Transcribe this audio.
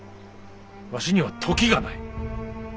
わしには時がない。